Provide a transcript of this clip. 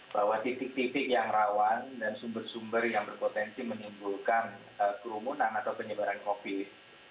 bahwa titik titik yang rawan dan sumber sumber yang berpotensi menimbulkan kerumunan atau penyebaran covid